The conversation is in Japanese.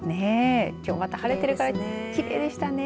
きょう、また晴れてるからきれいでしたね。